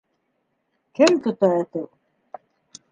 — Кем тота әтеү?